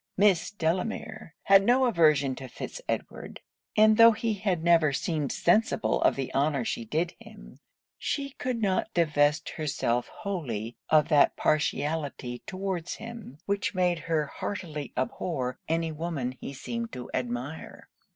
Miss Delamere had no aversion to Fitz Edward; and tho' he had never seemed sensible of the honour she did him, she could not divest herself wholly of that partiality towards him, which made her heartily abhor any woman he seemed to admire.